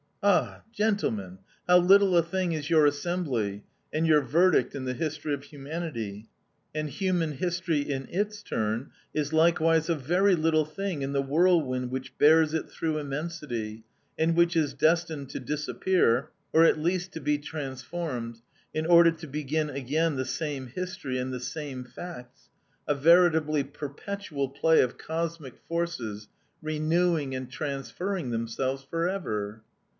"Ah! gentlemen, how little a thing is your assembly and your verdict in the history of humanity; and human history, in its turn, is likewise a very little thing in the whirlwind which bears it through immensity, and which is destined to disappear, or at least to be transformed, in order to begin again the same history and the same facts, a veritably perpetual play of cosmic forces renewing and transferring themselves forever."